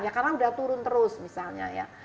ya karena sudah turun terus misalnya ya